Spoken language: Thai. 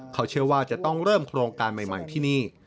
เขาเชื่อว่าจะต้องเริ่มโครงการใหม่ที่นี่